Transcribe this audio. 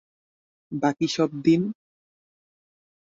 বাকি সব দিন?